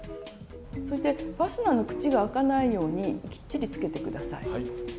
そしてファスナーの口が開かないようにきっちりつけて下さい。